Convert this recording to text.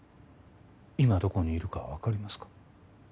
今どこにいるかは分かりますか？